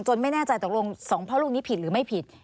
ไม่แน่ใจตกลงสองพ่อลูกนี้ผิดหรือไม่ผิด